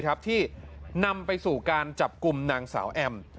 ที่นำไปสู่การจับกลุ่มนางสาวแอม